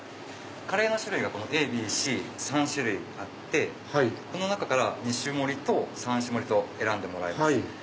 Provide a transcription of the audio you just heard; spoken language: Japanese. カレーの種類がＡＢＣ３種類あってこの中から２種盛りと３種盛り選んでもらえます。